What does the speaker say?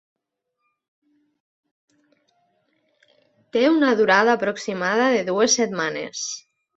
Té una durada aproximada de dues setmanes.